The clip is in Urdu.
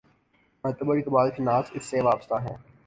معتبر اقبال شناس اس سے وابستہ ہیں۔